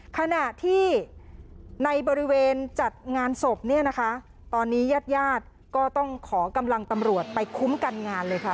ขณะที่ในบริเวณจัดงานศพเนี่ยนะคะตอนนี้ญาติญาติก็ต้องขอกำลังตำรวจไปคุ้มกันงานเลยค่ะ